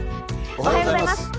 おはようございます。